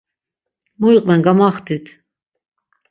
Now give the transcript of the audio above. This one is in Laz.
Mu iqven gamaxtit.